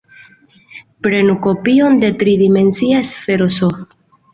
Prenu kopion de tri-dimensia sfero "S".